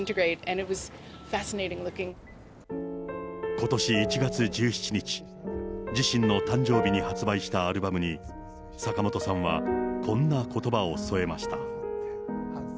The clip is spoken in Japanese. ことし１月１７日、自身の誕生日に発売したアルバムに、坂本さんはこんなことばを添えました。